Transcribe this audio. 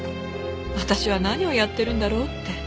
私は何をやってるんだろうって。